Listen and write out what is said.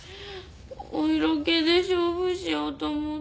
お色気で勝負しようと思って。